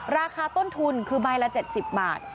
ราคาต้นทุนคือใบละ๗๐บาท